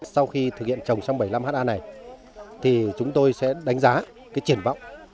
sau khi thực hiện trồng xong bảy mươi năm ha này thì chúng tôi sẽ đánh giá cái triển vọng